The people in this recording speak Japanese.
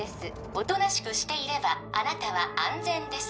おとなしくしていればあなたは安全です